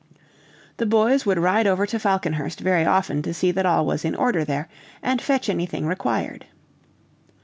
The boys would ride over to Falconhurst very often to see that all was in order there, and fetch anything required.